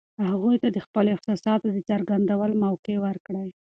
هغوی ته د خپلو احساساتو د څرګندولو موقع ورکړئ.